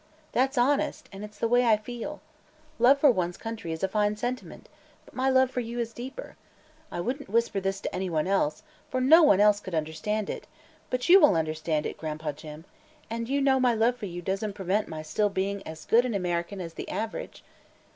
That's honest, and it's the way I feel. Love for one's country is a fine sentiment, but my love for you is deeper. I wouldn't whisper this to anyone else, for no one else could understand it, but you will understand it, Gran'pa Jim, and you know my love for you doesn't prevent my still being as good an American as the average.